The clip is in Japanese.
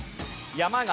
山形。